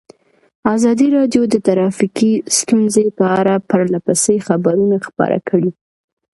ازادي راډیو د ټرافیکي ستونزې په اړه پرله پسې خبرونه خپاره کړي.